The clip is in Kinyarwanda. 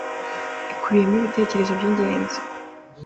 ikubiyemo ibitekerezo by’ingenzi